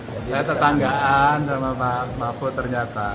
saya tetanggaan sama pak mahfud ternyata